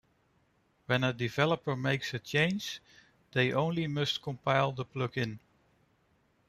When a developer makes a change, they only must compile the plugin.